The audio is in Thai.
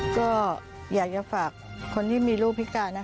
ก็อยากจะฝากคนที่มีลูกพิการนะ